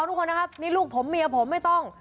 ทุกคนนะครับนี่ลูกผมเมียผมไม่ต้อง